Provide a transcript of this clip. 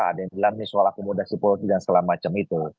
ada yang bilang ini soal akumulasi politik dan sebagainya itu